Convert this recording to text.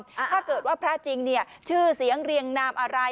ถ้าเกิดว่าพระจริงเนี่ยชื่อเสียงเรียงนามอะไร